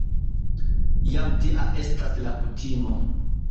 Jam tia estas la kutimo.